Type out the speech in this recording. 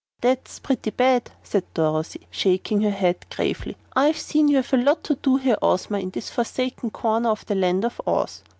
"That's pretty bad," said Dorothy, shaking her head gravely. "I see you've a lot to do here, Ozma, in this forsaken corner of the Land of Oz.